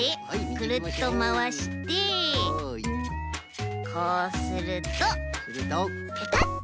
クルっとまわしてこうするとペタッと。